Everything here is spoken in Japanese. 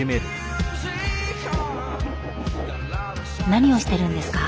何をしてるんですか？